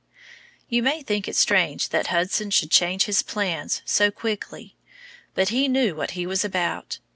You may think it strange that Hudson should change his plans so quickly, but he knew what he was about.